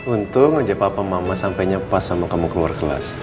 untung aja papa mama sampainya pas sama kamu keluar kelas